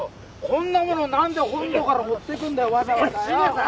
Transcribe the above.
こんな物何で本土から持ってくんだよわざわざよ。